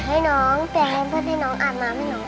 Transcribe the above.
เปลี่ยนแผนเพิดให้น้องอาบน้ำให้น้อง